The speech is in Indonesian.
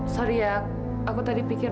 sorry ya aku tadi pikir